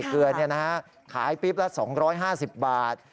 เกลือนี่นะคะขายปริบละ๒๕๐บาท